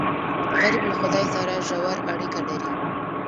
غریب له خدای سره ژور اړیکه لري